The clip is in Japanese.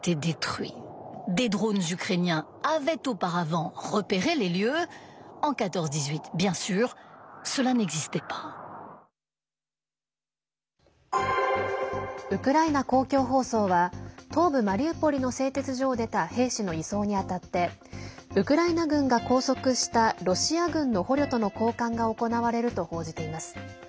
ウクライナ公共放送は東部マリウポリの製鉄所を出た兵士の移送に当たってウクライナ軍が拘束したロシア軍の捕虜との交換が行われると報じています。